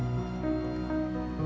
luchek luar bantuan kita